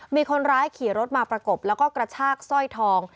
มีคนร้ายขี่รถมาประกบแล้วก็กระชากสร้อยทอง